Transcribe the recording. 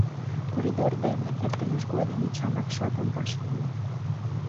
Коридор дене эртымыж годым Эчан апшатым вашлие.